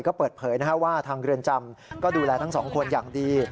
ก็เปิดเผยว่าทางเรือนจำก็ดูแลทั้งสองคนอย่างดี